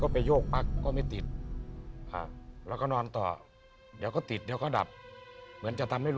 ปากเรือมา